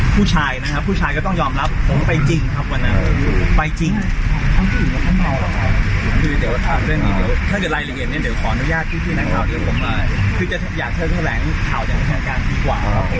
คือจะอยากแสดงแสดงข่าวจากฐานการณ์ดีกว่า